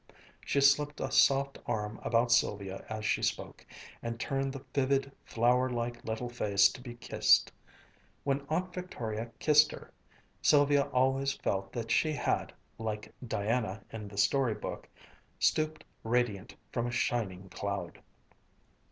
She slipped a soft arm about Sylvia as she spoke, and turned the vivid, flower like little face to be kissed. When Aunt Victoria kissed her, Sylvia always felt that she had, like Diana in the story book, stooped radiant from a shining cloud.